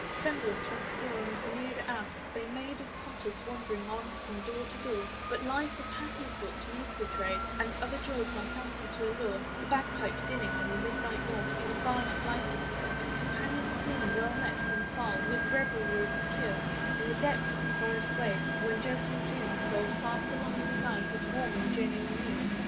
Semblance, with straw and pauniered ass, they made Of potters wandering on from door to door: But life of happier sort to me pourtrayed, And other joys my fancy to allure; The bag pipe dinning on the midnight moor In barn uplighted, and companions boon Well met from far with revelry secure, In depth of forest glade, when jocund June Rolled fast along the sky his warm and genial moon.